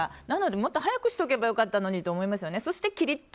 なので、もっと早くしておけば良かったのにと思いますよね。